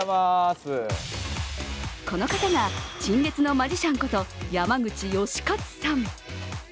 この方が陳列のマジシャンこと、山口能且さん。